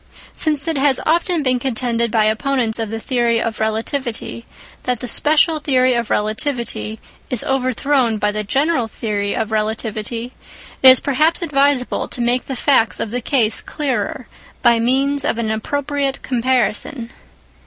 Since it has often been contended by opponents of the theory of relativity that the special theory of relativity is overthrown by the general theory of relativity, it is perhaps advisable to make the facts of the case clearer by means of an appropriate comparison.